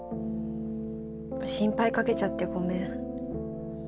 心配かけちゃってごめん。